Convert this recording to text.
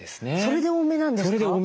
それで多めなんですか？